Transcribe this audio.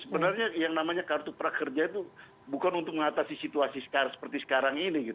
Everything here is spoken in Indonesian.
sebenarnya yang namanya kartu prakerja itu bukan untuk mengatasi situasi seperti sekarang ini